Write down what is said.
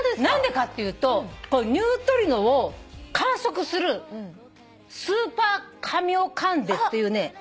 何でかっていうとニュートリノを観測するスーパーカミオカンデっていうね。